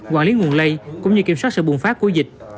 quản lý nguồn lây cũng như kiểm soát sự bùng phát của dịch